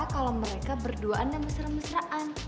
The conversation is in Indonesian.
kalau mereka berduaan dan mesra mesraan